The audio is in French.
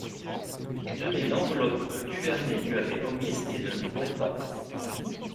Il tenait l'enveloppe que Duvernet lui avait remise et ne l'ouvrait pas.